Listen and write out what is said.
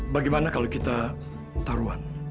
bagaimana kalau kita taruhan